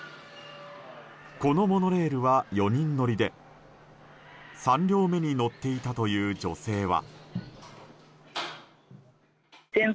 このモノレールは４人乗りで３両目に乗っていたという女性は。